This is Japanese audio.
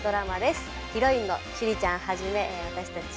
ヒロインの趣里ちゃんはじめ私たち